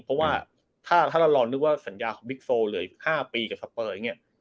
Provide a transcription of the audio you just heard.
เพราะว่าถ้าเราลองนึกว่าสัญญาของบิ๊กโซเหลืออีก๕ปีกับสเปอร์อย่างนี้